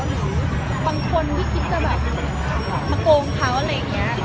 หรือบางคนที่คิดจะแบบมาโกงเขาอะไรอย่างนี้